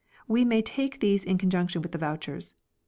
We may take these in conjunction with the vouchers.